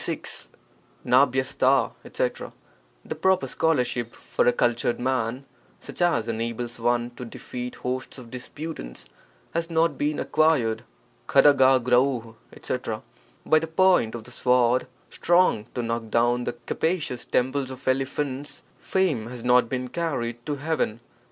— The proper scholarship for a cultured man, such as enables one to defeat hosts of disputants, has not been acquired. ■as^MiJ: etc. — By the point of the sword strong to knock down the capacious temples of elephants, fame has not been carried to heaven.